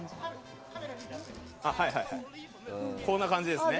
こんな感じです。